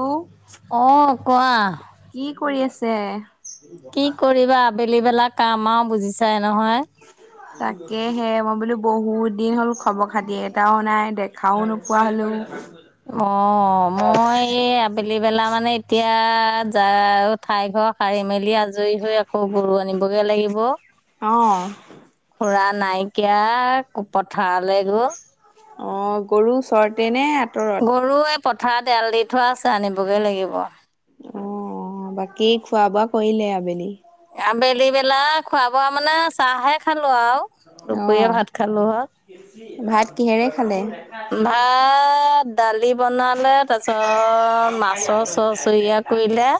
অ', অ কোৱা কি কৰি আছে? কি কৰিবা আবেলি বেলা কাম আৰু বুজিছাই নহয় তাকে হে মই বোলো বহুত দিন হ'ল খবৰ খাতি এটাও নাই দেখাও নোপোৱা হ'লো। অ', মই এই আবেলি [unintelligible] বেলা মানে এতিয়া য ঠাই ঘৰ সাৰি মেলি আজৰি হৈ আকৌ গৰু আনিব [unintelligible] লাগিব। অ', পুৰা নাইকিয়া পথাৰলৈ গ'ল অ', গৰু ওচৰতে নে আঁতৰত? গৰু এই পথাৰত এৰাল দি থোৱা আছে আনিবগে লাগিব। অ', বাকী খোৱা বোৱা কৰিলে আবেলি? আবেলিবেলা খোৱা বোৱা মানে চাহে খাল দুপৰীয়া অ', ভাত খালো হ ভাত কিহেৰে খালে? ভাত দালি বনালে তাৰিছত চ মাছৰ চ চৰিয়া কৰিলে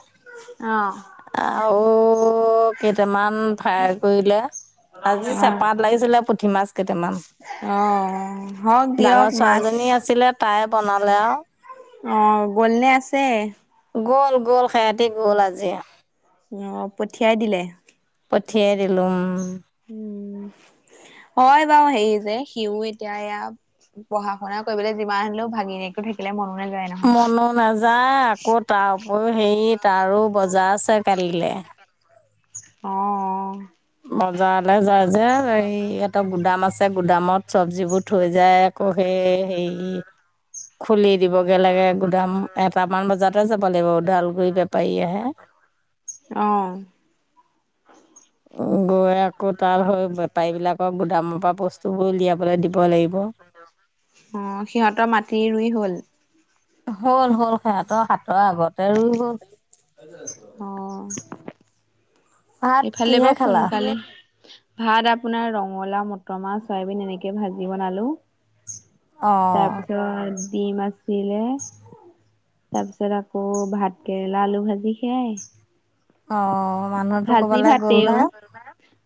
অ'। আৰু কেইটামান ফ্ৰাই কৰিলে। আজি চেপাত লাগিছিলে পুঠি মাছ কেইটামান অ', হওক দিয়ক ডাঙৰ মাছ ছোৱালীজনী আছিলে তাই বনালে আৰু অ, গ'লনে আছে। গ'ল গ'ল সিহঁতি গ'ল আজি অ, পঠিয়াই দিলে। পঠিয়াই দিলো। উম হয় বাৰু সেই যে সিও এতিয়া এয়া পঢ়া শুনা কৰিবলৈ যিমান আনিলেও ভাগি নকো থাকিলে মন মনো নাযায় আকৌ তাৰ উপৰিও হেৰি তাৰো বজাৰ আছে কালিলৈ অ, বজাৰলৈ যায় যে এই এটা গুদাম আছে গুদামত চব্জিবোৰ থৈ যায় আকৌ সেই হেৰি এই, খুলি দিবগে লাগে। গদাম এটামান বজাতে যাব লাগিব ওদালগুৰি বেপাৰী আহে আহ [inaudible] আকৌ তাৰ বেপাৰী বিলাকক গুদামৰ পৰা বস্তুবোৰ উলিয়াবলে দিব লাগিব। অ সিহঁতৰ মাটি ৰুই হ'ল? হ'ল হ'ল সিহঁতৰ হাতৰ আগতে ই হ'ল অ, ভাত সফালে কিহে বাৰু খালা? সোনকালে ভাত আপোনাৰ ৰঙালা মটৰ মাছ চয়াবিন এনেকে ভাজি বনালো অ', তাৰপিছত ডিম আছিলে তাৰ পিছত আকৌ ভাত কেেৰেলা আলু ভাজি খাই অ মানুহটোো কবালৈ গ'ল না অ,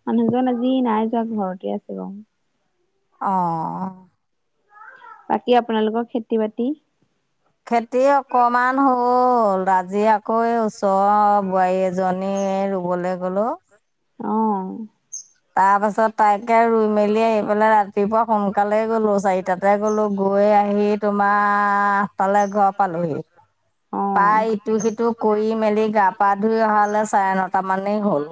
মানুহজন আজি নাই যোৱা ঘৰতে আছে বাৰ অ বাকী আপোনালোকৰ খেতি বাতি খেতি অকমান হ'ল ৰাজি আকৌ ওচৰ বোৱাৰী এজনী ৰুবলৈ গলো অ তাৰ পাছত তাকে ৰুই মেলি আহি পেলাই ৰাতিপুৱা সোনকালে গ'লো চাৰিটাতে গ'লো গৈ আহি তোমাৰ তালৈ ঘৰ পালোহি অ'। প্ৰায় ইটো সিটো কৰি মেলি গা পা ধুই অহালে চাৰে নটা মানেই হ'ল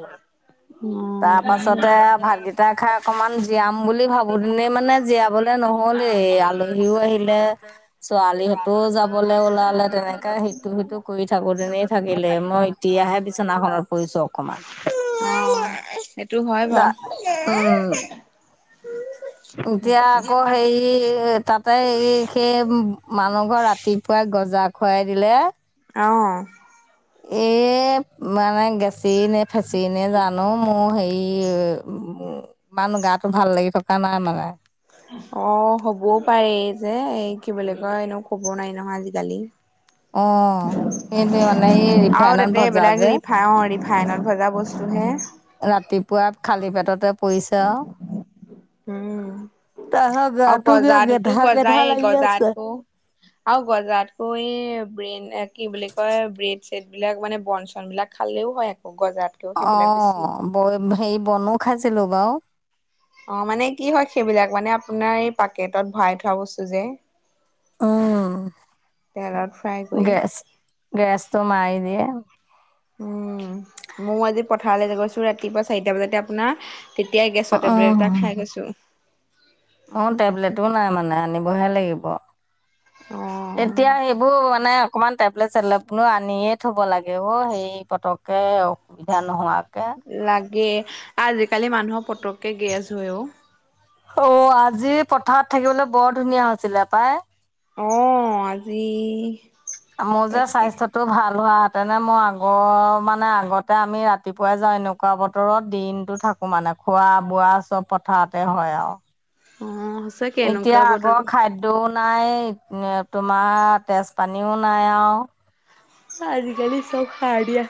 তাৰ পাছতে তাতে ভাতকিটাা খাক অকমান জীয়াম বুলি ভাবো তেনেই মানে জীয়াবলে বেয়া নহল এই আলহীও বস্তু আহিলে ওলাই গ'ল। ছোৱালিহতও যাবলৈ ওলালে তেনেকে সিটো সিটো কৰি থাকো তেনেই থাকো লাগিলে মই এতিয়াহে বিচনাখনত পৰিছো অকমান অ', সেইটো হয় দা বাৰু উম এতিয়া তাকে আকৌ হে তাতে এই সেই মানুহ ঘৰ ৰাতিপুৱাই গজা খুৱাই দিলে অঁ এ মানে গেচি নে ফেচি নে জানো মোৰ হেৰি ই ইানুহ গাটো ভাল লাগি থকা নাই মানে অ হ'বও পাৰেি যে এই কি বুলি কয় এনেও কব নাই নহয় আজিকালি অ কিন্ত মানে এইৰিফন বহত য যে ফাইনত ভজা বস্তুহে ৰাতিপুৱা খালী পেটতে পৰিছে আৰু উম তাৰপিছত আৰু গাটো কিবা গজাততো গেধা গেধা গজাই লাগি আছে গজাতকো আৰু গজাতকৈ এই বেইন কি বুলি কয় বেইন চেটবিলাক মানে বন চন বিলাক খালেও হয়। গজাতকেও সেইবিলাক বেছি অ', ব হে বনো খাইছিলো বাৰু। অ', মানে কি হয় সেইবিলাক মানে আপোনাৰ এই পাকেটত ভৰাই থোৱা বস্তু যে। উম, তেলত ফ্ৰাই কৰি গেছ গেছটো মাৰি দিয়ে। উম, ময়ো আজি পথাৰলৈ গৈছো ৰাতিপুৱা চাৰিটা বজাতে আপোনাৰ। তেতিয়াই গেছৰ টেবলেট উম, এটা খাই গৈছো অ' টেবলেটো নাই মানে। আনিবহে লাগিব অ এতিয়া সেইবোৰ মানে অকণমান টেবলেট চেবলেটনো আনিয়ে থ'ব লাগে হ' সেই পতককৈ অসুবিধা নহয়। লাগে আজিকালি মানুহৰ পুতকে গেছ হৈ অ'। অ আজি পথাৰত থাকিবলৈ বৰ ধুনীয়া হৈছিলে পায়। অ', আজি মোৰ যে তাকে স্বাস্থ্যতটো ভাল হোৱা তেনে মই আগৰ মানে আগতে আমি ৰাতিপুৱাই যাওঁ এনেকুৱা বতৰত দিনটো থাকোঁ মানে। খোৱা বোৱা চব পথাৰতে হয় আৰু। উম। এতিয়া আকৌ খাদ্যও নাই তোমাৰ তেজপানীও নাই আৰু। আজিকালি চব সাৰ দিয়া।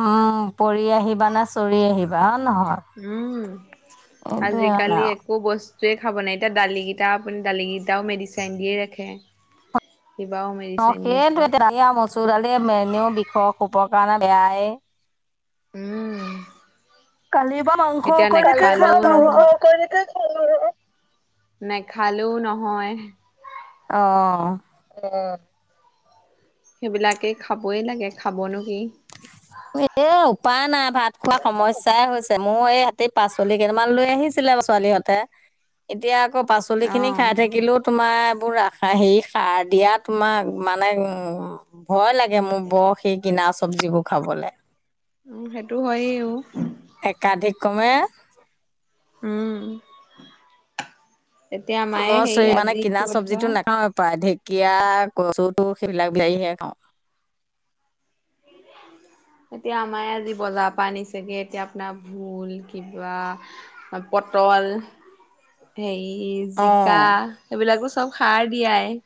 উম, পৰি আহিবা না চৰি আহিবা। নহয় উম, এইটোয়ে মানে আজিকালি আৰু একো বস্তু বোৱেই খাব নাই এতিয়া দালিকেইটা আপুনি দালিকেইটাও মেডিচাইিন দিয়েই ৰাখে। কিবাও অ', মেডিচাইন দিয়ে সেইো চব এয়ায়া মচুৰডালে মেনেও বিষ কোবৰ কাৰণে বেয়াই। উম। কালি বা মাংস এতিয়া অকণকে নাখালেও নহয় খালো হয়। [unintelligible] নেখালেও নহয়। আহ। সেইবিলাকে খাবই লাগে খাবনো কি? এ উপায় নাই ভাত খোৱা সমস্যাই হৈছে। মোৰ এই ইয়াতে পাচলি কেইটামান লৈ আহিছিলে ছোৱালীহঁতে। এতিয়া আকৌ পাচলিখিনি অ' খাই থাকিলেও তোমাৰ বোৰ ৰাসায়নিক সাৰ দিয়া তোমাক মানে উম ভয় লাগে। মোৰ বৰ সেই কিনা চব্জিবোৰ খাবলৈ। উম, সেইটো হয়েও। একাধিক ক্ৰমে। উম। এতিয়া মায়ে মই চ হেৰি মানে আজি কিনা কি বুলি চব্জিটো কয় নাখাওঁৱ প্ৰায়। কীয়া কচু থু সেইবিলাক বিলাহী হে খাওঁ। [inaudible] এতিয়া আমাৰে আজি বজাৰৰ পৰা আনিছেগে এতিয়া আপোনাৰ ভোল কিবা পটল কল হেৰি জিকা অ সেইবিলাকো চব সাৰ দিয়াই।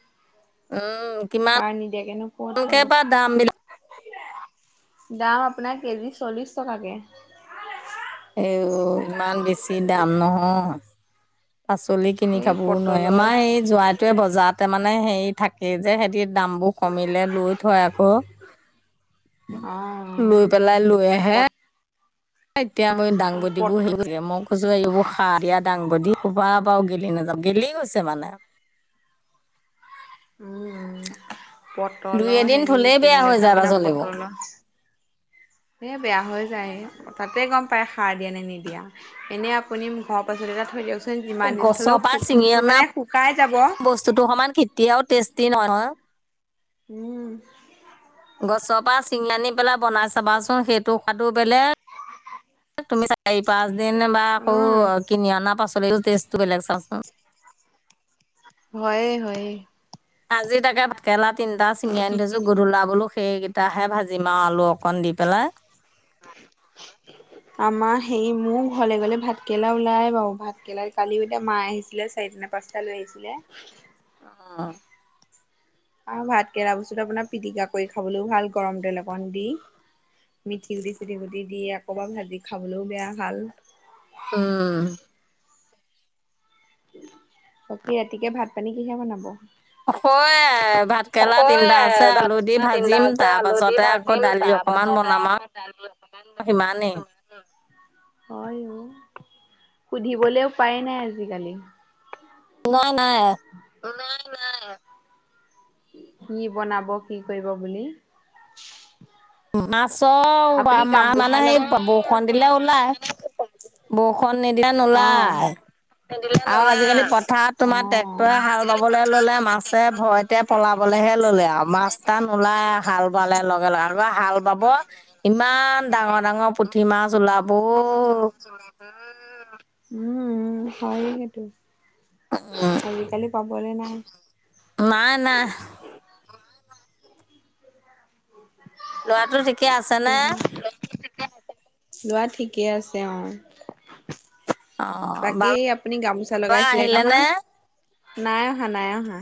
উম, কিমান সাৰ নিদিয়াকেনো ক'ত পাব। [unintelligible] বা দামবিলাক দাম আপোনাৰ কেজি চল্লিশ টকাকে। এ ইমান বেছি দাম নহয়। পাচলি কিনি এই খাবও নোৱাৰি। পটলৰ আমাৰ সেই জোনাহটোৱে বজাৰতে মানে হেৰি থাকে যে। দাম বোৰ কমিলে লৈ থয় আকৌ। লৈ অ', পেলাই লৈ আহে। পট এতিয়া মই দাংবদীবোৰ পট হেৰি কৰি মই কৈছো এইবোৰ সাৰ দিয়া দাংবদী। কোবা পৰাও গেলি নাযাওঁ গেলি গৈছে মানে। উম দুই পটলৰ এদিন হেৰি থলেই কি বেয়া বুলি হৈ কয় যায় আপোনাৰ পাচলিবোৰ। পটলৰ উ'। এই বেয়া হৈ যায় তাতে গম পায় সাৰ দিয়া নে নিদিয়া এনেই আপুনি ঘৰ পাচলি এটা থৈ দিয়কচোন। যিমান এই দিন থলেও গছৰপা চিঙি টোপটো অনা মানে শুকাই যাব। বস্তুতটো সমান কেতিয়াও টেষ্টি নহয়। উম'। গছৰ পৰা চিঙ আনি পেলাই বনাই চাবাচোন সেইটো ত খাদু বেলেগ তুমি চাৰি পাঁচ দিন বা আকৌ উম, কিনি অনা পাছত তেজটো বেলেগ চাচোন। হয় হয়। আজি তাকে ভাকেলা তিনিটা চিঙি আনি থৈছো গধূলা বোলো। সেইকেইটাহে ভাজিম আৰু আলু অকণ দি পেলাই। আমাৰ হেৰি মোৰ ঘৰলে গলে ভাতকেৰেলা ওলাই বাৰু ভাত কেৰেলাত কালি এতিয়া মা আহিছিলে চ সনা পাঁচটা লৈ আহিছিলে আহ। আৰু ভাত কেৰা বস্তুত আপোনাৰ পিটিকা কৰি খাবলৈও ভাল গৰম তেল অকণ দি। মিঠি গুটি চুটি গুটি দি আকবাৰ ভাজি খাবলৈও বেয়া ভাল। উ'। বাকী ৰাতিকে ভাত পানী কিহে বনাব? হয়। ভাতকেৰেলা তিনিটাছে আলু দি ভাজিম তাৰপাছতে আকৌ দালি অকণমান বনাম আৰু সিমানেই হয় অ',। সুধিবলৈও উপায় নাই আজিকালি ন নাই নাই নাই কি বনাব কি কৰিব বুলি না চব আপুনি মাহ গামোচা মানে লগ সেই বৰষুণ দিলে ওলাই বৰষুণ নি ন অ', োলায় আৰু আজিকালি পথাৰত তোমাৰ অ'। ট্ৰেক্টৰে হাল বাবলৈ ললে মাছে ভয়তে পলাবলেহে ললে আৰু মাছ টাান ওলাই হাল বালে লগে লগে আকৌ হাল বাব ইমান ডাঙৰ ডাঙৰ ডাঙৰ পুঠি মাছ ওলাব উম হয়েতো উম আজিকালি পাবলৈ নাই নাই না লৰাটো ঠিকে আছে ন লোৱা ঠিকে আছে অ অ বাকী আপুনি গামোচা বাবা লগাইছিলে আহিলে নহয় নে নাই অহা নাই অহা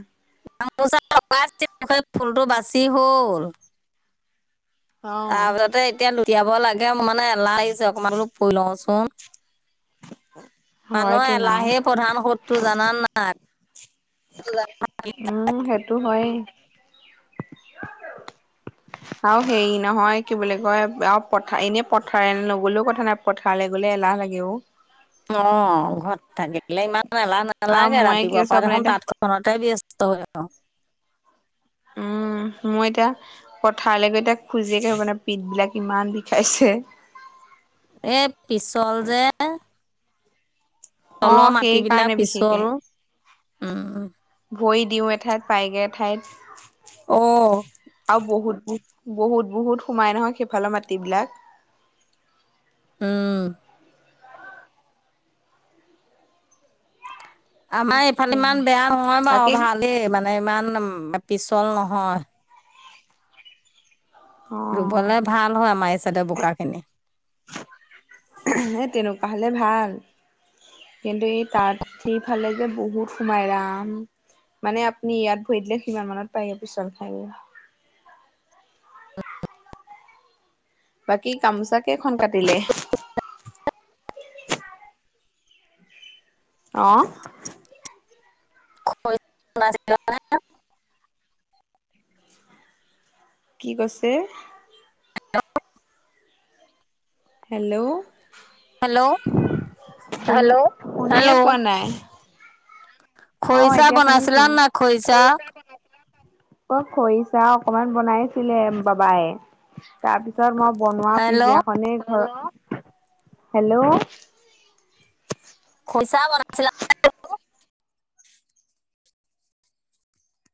আামোচা অকাকৈ ফুলটো বাচি হল অ তাৰপাছতে এতিয়া উৰিিয়াব লাগে মানে এলাহ আহিছে অকনমান অলপ ফুৰি লওঁচোন হয়তো মানুহ নাও এলাহে প্ৰধান সধটোো জান নাই উম সেইটো হয়েই আৰু হেৰি নহয় কি বুলিো কয় আৰু পথাৰ এনে পথাৰ নগলেও কথা নাই পথাৰলৈ গ'লে খেলাহ লাগেও অ ঘৰত থাকে ব ইমান এলাহ আৰু নেলাগে মই কি ৰাতিপুৱাৰ কৈছো পৰা আপোনাৰ দেখোন এতিয়া তাঁতখনতে ব্যস্ত হৈ আহো উম উ মই এতিয়া পথাৰলৈ গৈ এতিয়া খোজিয়োকে আহিবানে পিঠ বিলাক ইমান বিষাইছে [inaudible] এই পিছল যে অ তলৰ সেই মাটিবলাক কাৰণে বিশেষকে পিছল উম ভৰি দিওঁ এঠাইত পাইগৈ ঠাইত অ', আৰু বহুত বহুত বহুত সোমাই নহয় সেইফালৰ মাট বিলাক আহম আমাৰ ইফালে তাকেহে ইমান বেয়া নহয় বাৰু বাকী ভালেই মানে ইমান পিছল নহয় অ' ৰুবলৈ ভাল হয় আমাৰ এই চডে বোকা খিনি এই তেনেকুৱা হ'লে ভাল কিন্তু এই তাত সিফালে যে বহুত সোমাই ৰাম মানে আপুনি ইয়াত ভৰি দিলে কিমান মানত পায়গ পিছল খাই বাকী গামোচাাকেইখন কাটিলে আহ খছিল কি কৈছে হেল্ল' হেল্ল', হেল্ল' শনিয়ে প হেল্ল', নাই অ খৰিচা এতিয়া শুনিছো বনাইছিলা নে নাই খৰিচা? অই খৰিচাহ অকমান বনাইছিলে বাবাই তাৰ পিছত মই বনোৱা হেল্ল', পিজ্জাখনে ঘৰত হেল্ল' খইচা বনাইছিলা